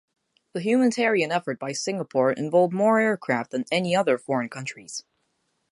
The humanitarian effort by Singapore involved more aircraft than any other foreign countries.